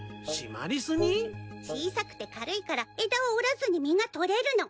小さくて軽いから枝を折らずに実が採れるの。